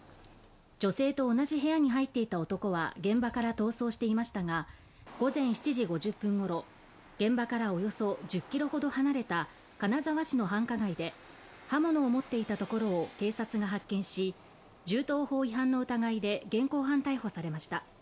女性と同じ部屋に入っていた男は現場から逃走していましたが、午前７時５０分ごろ、現場からおよそ１０ｋｍほど離れた金沢市の繁華街で、刃物を持っていたところを警察が発見し銃刀法違反の疑いで現行犯逮捕されました。